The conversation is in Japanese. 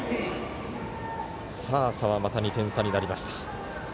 差はまた２点差になりました。